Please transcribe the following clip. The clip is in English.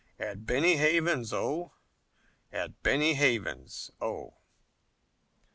At Benny Haven's, Oh! At Benny Haven's, Oh!"